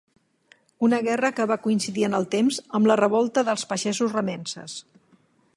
Una guerra que va coincidir en el temps amb la revolta dels pagesos remences.